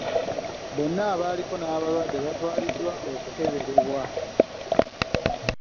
Bonna abaaliko n'abalwadde baatwaliddwa okukeberebwa.